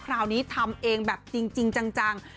คราวนี้ทำเองแบบจริงจัง